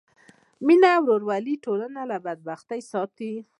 مینه او ورورولي ټولنه له بدبختیو ساتي.